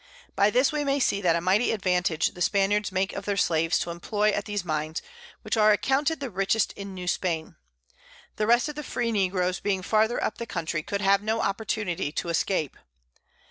By this we may see what a mighty Advantage the Spaniards make of their Slaves to imploy at these Mines, which are accounted the richest in New Spain. The rest of the free Negroes being farther up the Country, could have no Opportunity to escape.